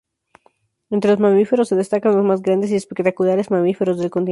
Entre los mamíferos se destacan los más grandes y espectaculares mamíferos del continente.